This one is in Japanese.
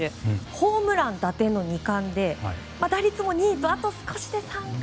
ホームラン、打点の２冠で打率も２位とあと少しで三冠。